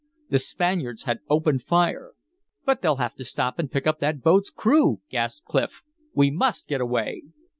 The Spaniards had opened fire! "But they'll have to stop to pick up that boat's crew!" gasped Clif. "We may get away!"